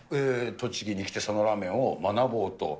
栃木に来て、佐野らーめんを学ぼうと。